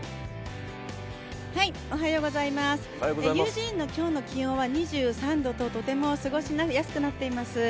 ユージーンの今日の気温は２３度ととても過ごしやすくなっています。